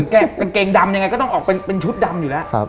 กางเกงดำยังไงก็ต้องออกเป็นชุดดำอยู่แล้ว